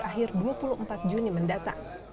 akhir dua puluh empat juni mendatang